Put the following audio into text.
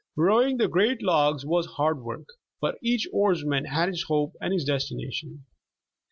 Rowing the great logs was hard work, but each oarsman had his hope and his destination.